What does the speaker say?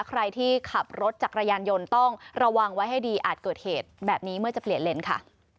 ใครที่ขับรถจักรยานยนต์ต้องระวังไว้ให้ดีอาจเกิดเหตุแบบนี้เมื่อจะเปลี่ยนเลนส์ค่ะ